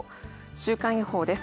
週間予報です。